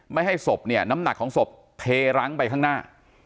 ไม่ให้ศพเนี่ยน้ำหนักของศพเทรั้งไปข้างหน้า